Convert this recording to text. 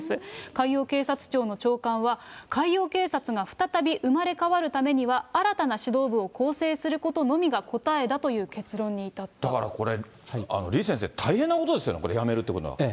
海洋警察庁の長官は、海洋警察が再び生まれ変わるためには、新たな指導部を構成することのみが、だからこれ、李先生、大変なことですよ、これ辞めるっていうことは。